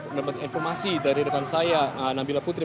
mendapat informasi dari rekan saya nabila putri